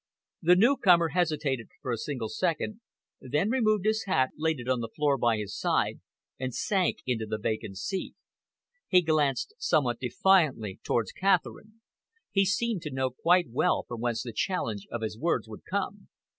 The newcomer hesitated for a single second, then removed his hat, laid it on the floor by his side, and sank into the vacant seat. He glanced somewhat defiantly towards Catherine. He seemed to know quite well from whence the challenge of his words would come.